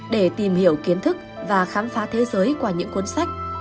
để tìm hiểu kiến thức và khám phá thế giới qua những cuốn sách